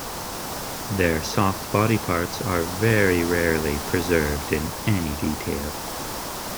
Their soft body parts are very rarely preserved in any detail.